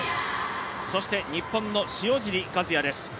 そして日本の塩尻和也です。